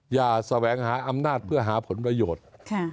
แสวงหาอำนาจเพื่อหาผลประโยชน์